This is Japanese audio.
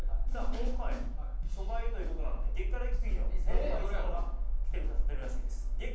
今回初回ということなので激辛イキスギの先輩さんが来てくださってるらしいです